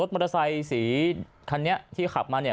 มีสีคันนี้ที่ขับมาเนี่ย